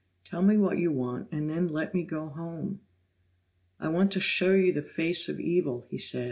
Tell me what you want and then let me go home." "I want to show you the face of evil," he said.